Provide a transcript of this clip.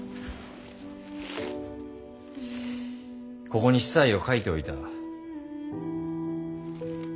ここに子細を書いておいた。